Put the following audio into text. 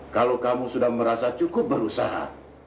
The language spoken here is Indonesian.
kalau kamu sudah merasa cukup berusaha